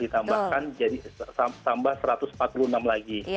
tambah satu ratus empat puluh enam lagi